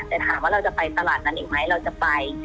แต่ถามว่าเราจะไปตลาดนั้นอีกไหมเราจะไป